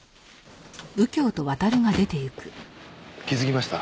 気づきました？